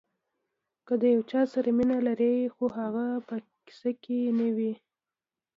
که د یو چا سره مینه لرئ خو هغه په قصه کې نه وي.